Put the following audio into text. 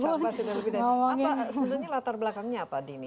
sebelumnya latar belakangnya apa dini